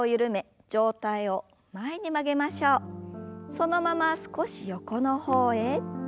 そのまま少し横の方へ。